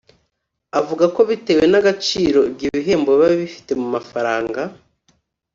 Avuga ko bitewe n’agaciro ibyo bihembo biba bifite mu mafaranga